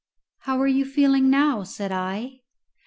"How are you feeling now?" said I.